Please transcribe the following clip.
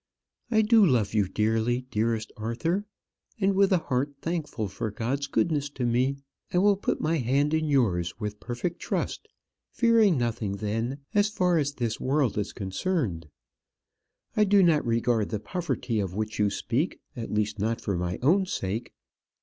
I do love you dearly, dearest Arthur; and with a heart thankful for God's goodness to me, I will put my hand in yours with perfect trust fearing nothing, then, as far as this world is concerned. I do not regard the poverty of which you speak, at least not for my own sake.